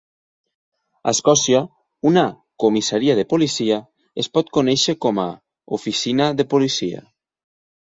A Escòcia, una "comissaria de policia" es pot conèixer com a "oficina de policia".